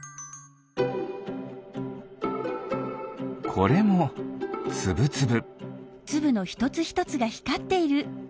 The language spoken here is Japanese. これもつぶつぶ。